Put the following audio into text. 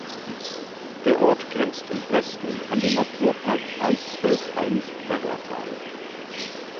Der Ort grenzt im Westen an den Naturparks Eichsfeld-Hainich-Werratal.